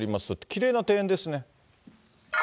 きれいな庭園ですね。